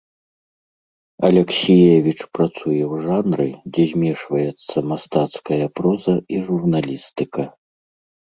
Алексіевіч працуе ў жанры, дзе змешваецца мастацкая проза і журналістыка.